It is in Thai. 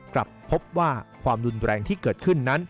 กลับพบว่าความรุนแรงที่เกิดขึ้นนั้น